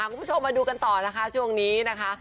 คุณผู้ชมมาดูกันต่อนะคะช่วงนี้นะคะ